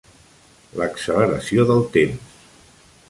L'acceleració del temps